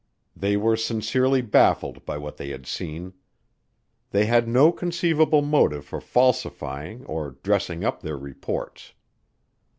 They were sincerely baffled by what they had seen. They had no conceivable motive for falsifying or "dressing up" their reports.